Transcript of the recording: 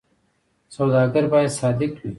سوداګر باید صادق وي